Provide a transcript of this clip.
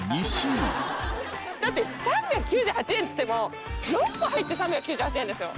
だって３９８円つっても６個入って３９８円ですよ。